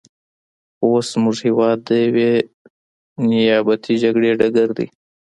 خو اوس زموږ هېواد د یوې نیابتي جګړې ډګر دی.